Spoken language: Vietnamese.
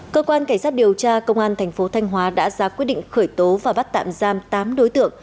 cơ quan cảnh sát điều tra công an thành phố thanh hóa đã ra quyết định khởi tố và bắt tạm giam tám đối tượng